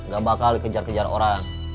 gak bakal dikejar kejar orang